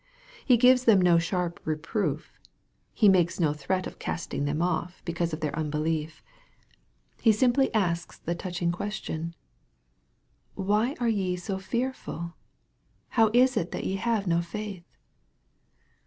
He gives them no sharp reproof. He makes no threat of casting them off, because of their unbelief. He 86 EXPOSITORY THOUGHTS. simply asks the touching question, " Why are ye H> fear ful ? How is it that ye have no faith